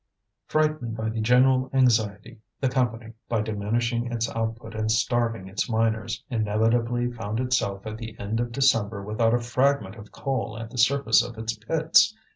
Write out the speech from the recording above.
Frightened by the general anxiety, the Company, by diminishing its output and starving its miners, inevitably found itself at the end of December without a fragment of coal at the surface of its pits.